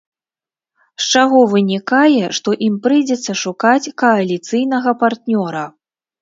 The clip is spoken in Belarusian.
З чаго вынікае, што ім прыйдзецца шукаць кааліцыйнага партнёра.